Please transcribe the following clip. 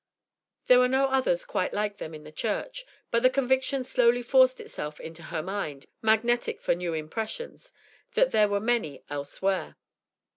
There were no others quite like them in the church, but the conviction slowly forced itself into her mind, magnetic for new impressions, that there were many elsewhere.